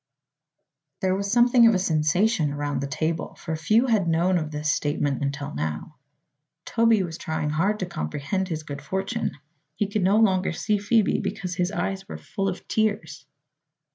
There was something of a sensation around the table, for few had known of this statement until now. Toby was trying hard to comprehend his good fortune. He could no longer see Phoebe because his eyes were full of tears.